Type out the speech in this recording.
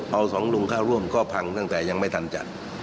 เอาสองลุงเข้าร่วมก็พังตั้งแต่ยังไม่ทันจัด